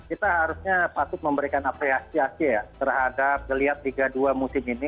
kita harusnya patut memberikan apresiasi ya terhadap geliat liga dua musim ini